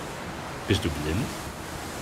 Bist du blind?